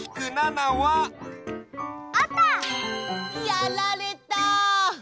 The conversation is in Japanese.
やられた。